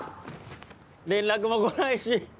連絡も来ないし